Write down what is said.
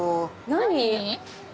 何？